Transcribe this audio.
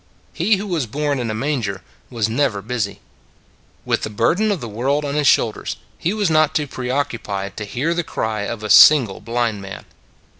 He who was born in a manger was never busy. With the burden of the world on His shoulders, he was not too preoccupied to hear the cry of a single blind man.